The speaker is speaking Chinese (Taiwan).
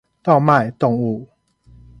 盜賣動物